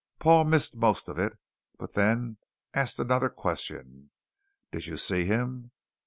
Paul missed most of it, but then asked another question: "Did you see him?"